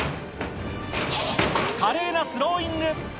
華麗なスローイング。